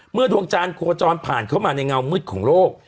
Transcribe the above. ดวงจันทร์โคจรผ่านเข้ามาในเงามืดของโลก